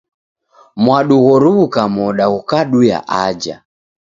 Mwano ghoruw'uka moda ghukaduya aja